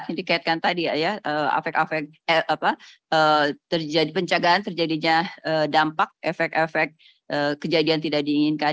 yang dikaitkan tadi penjagaan terjadinya dampak efek efek kejadian tidak diinginkan